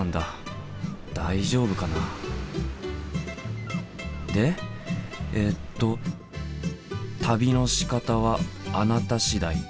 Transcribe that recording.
大丈夫かな？でえっと「旅のしかたはあなた次第。